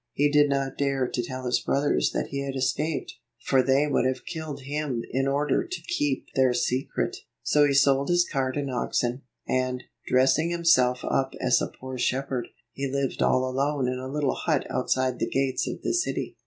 He did not dare to tell his brothers that he had escaped, for they would have killed him in order to keep their secret. So he sold his cart and oxen, and, dressing himself up as a poor shepherd, he lived all alone in a little hut outside the gates of the city.